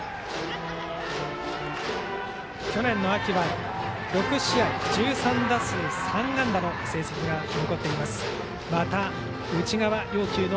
去年の秋は６試合１３打数３安打の成績が残っています。